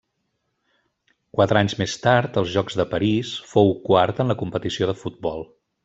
Quatre anys més tard, als Jocs de París fou quart en la competició de futbol.